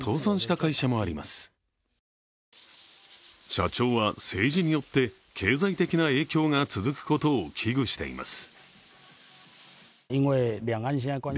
社長は政治によって経済的な影響が続くことを危惧しています。